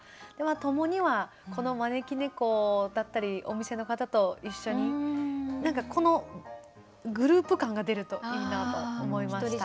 「ともに」はこの招き猫だったりお店の方と一緒に何かこのグループ感が出るといいなと思いました。